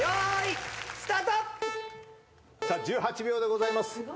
１８秒でございます。